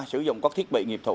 sử dụng các thiết bị nghiệp thủ